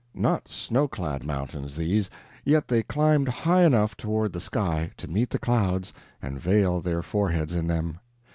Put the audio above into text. Not snow clad mountains, these, yet they climbed high enough toward the sky to meet the clouds and veil their foreheads in them.